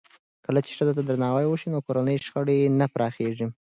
کله چې ښځو ته درناوی وشي، کورني شخړې نه پراخېږي.